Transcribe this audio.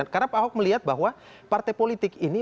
karena pak ahok melihat bahwa partai politik ini